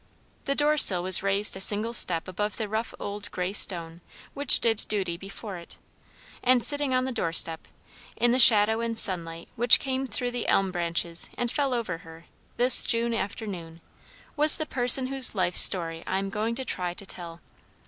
The door sill was raised a single step above the rough old grey stone which did duty before it; and sitting on the doorstep, in the shadow and sunlight which came through the elm branches and fell over her, this June afternoon, was the person whose life story I am going to try to tell.